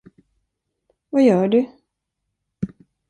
Vad gör du?